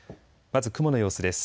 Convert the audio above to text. まず雲の様子です。